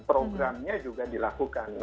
programnya juga dilakukan